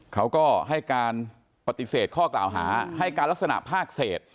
เขาก็ให้การปฏิเสธข้อกล่าวหาให้การลักษณะภาคเศษ